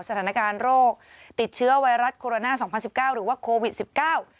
สถานการณ์โรคติดเชื้อไวรัสโคโรนาสองพันสิบเก้าหรือว่าโควิดสิบเก้า